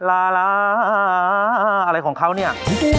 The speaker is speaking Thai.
อะไรของเค้าเนี่ย